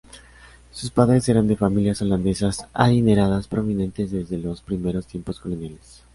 Sus padres eran de familias holandesas adineradas prominentes desde los primeros tiempos coloniales.